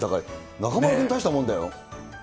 中丸君、大したもんだよ。